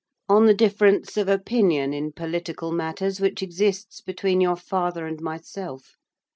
'On the difference of opinion, in political matters, which exists between your father and myself.